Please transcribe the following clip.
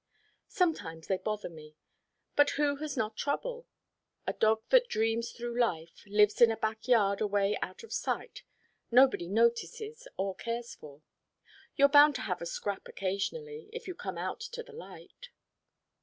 Sometimes they bother me, but who has not trouble? A dog that dreams through life, lives in a back yard away out of sight, nobody notices or cares for. You're bound to have a scrap occasionally, if you come out to the light.